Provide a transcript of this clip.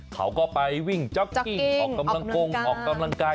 เขาก็ไปวิ่งจ๊อกกิ้งออกกำลังกงออกกำลังกาย